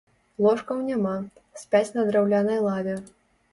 Ложкаў няма, спяць на драўлянай лаве.